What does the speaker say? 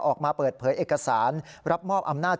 ออกมาเปิดเผยเอกสารรับมอบอำนาจ